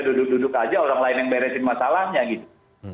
duduk duduk aja orang lain yang beresin masalahnya gitu